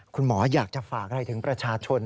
คุณหมออยากจะฝากอะไรถึงประชาชน